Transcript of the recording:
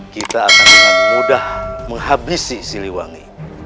kita akan dengan mudah menghabisi siliwangi